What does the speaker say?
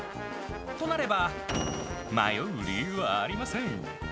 となれば、迷う理由はありません。